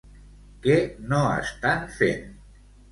Què no estan fent?